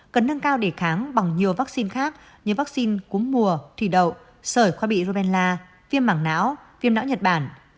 cần nâng cao đề kháng bằng nhiều vaccine khác như vaccine cúm mùa thủy đậu sởi khoa bị rô ven la viêm mảng não viêm não nhật bản